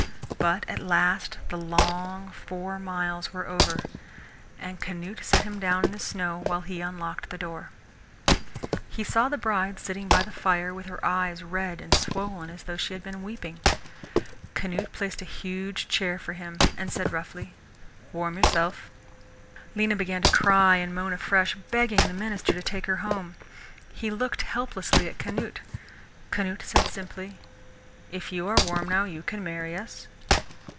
But at last the long four miles were over, and Canute set him down in the snow while he unlocked the door. He saw the bride sitting by the fire with her eyes red and swollen as though she had been weeping. Canute placed a huge chair for him, and said roughly, "Warm yourself." Lena began to cry and moan afresh, begging the minister to take her home. He looked helplessly at Canute. Canute said simply, "If you are warm now, you can marry us."